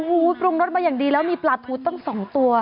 โอ้โหปรุงรสมาอย่างดีแล้วมีปลาทูตั้ง๒ตัว